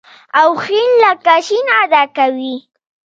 او ښ لکه ش ادا کوي.